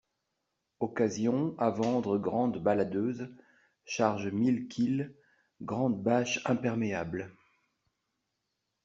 Occasion, à vendre grande balladeuse, charge mille kil., grande bâche imperméable.